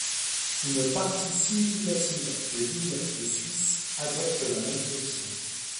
Une partie significative des villes de Suisses adoptent la même position.